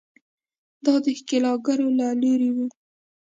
دا د ښکېلاکګرو له لوري وو.